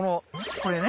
これね。